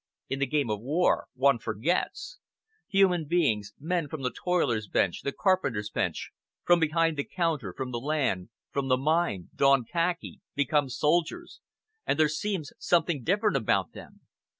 In the game of war one forgets. Human beings men from the toiler's bench, the carpenter's bench, from behind the counter, from the land, from the mine don khaki, become soldiers, and there seems something different about them.